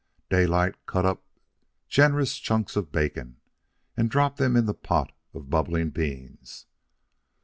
Daylight cut up generous chunks of bacon and dropped them in the pot of bubbling beans.